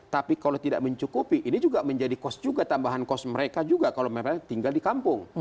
tapi kalau tidak mencukupi ini juga menjadi kos juga tambahan kos mereka juga kalau mereka tinggal di kampung